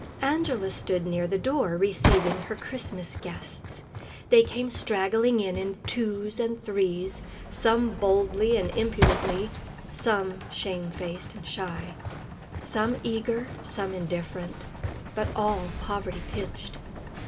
Angela stood near the door, receiving her Christmas guests. They came straggling in, in twos and threes, some boldly and impudently, some shame faced and shy, some eager, some indifferent, but all poverty pinched.